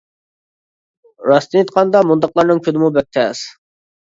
راستىنى ئېيتقاندا مۇنداقلارنىڭ كۈنىمۇ بەك تەس.